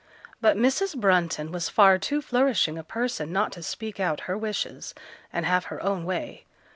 But Mrs. Brunton was far too flourishing a person not to speak out her wishes, and have her own way.